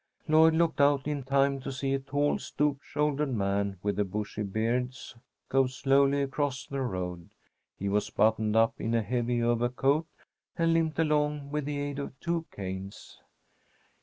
Lloyd looked out in time to see a tall, stoop shouldered man with a bushy beard go slowly across the road. He was buttoned up in a heavy overcoat, and limped along with the aid of two canes.